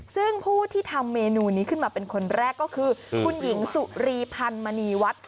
ซึ่งผู้ที่ทำเมนูนี้ขึ้นมาเป็นคนแรกก็คือคุณหญิงสุรีพันธ์มณีวัด